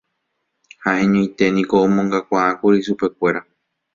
Ha'eñoiténiko omongakuaákuri chupekuéra